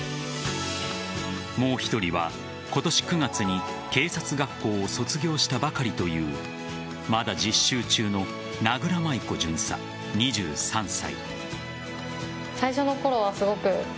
もう１人は今年９月に警察学校を卒業したばかりというまだ実習中の名倉舞子巡査、２３歳。